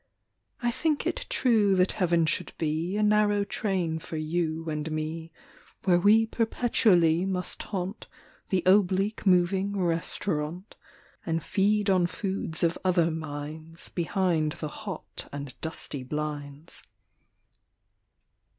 I think it true that heaven should be A narrow train for you and me, Where we perpetually must haunt The oblique moving restaurant And feed on foods of other minds Behind the hot and dusty blinds.